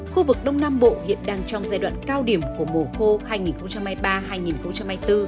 khu vực đông nam bộ hiện đang trong giai đoạn cao điểm của mùa khô hai nghìn hai mươi ba hai nghìn hai mươi bốn